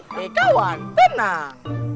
hei kawan tenang